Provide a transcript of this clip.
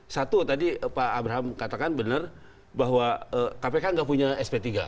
satu tadi pak abraham katakan benar bahwa kpk nggak punya sp tiga